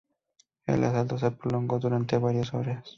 El asalto se prolongó durante varias horas.